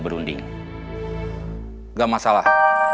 berunding enggak masalah